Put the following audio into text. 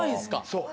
そう。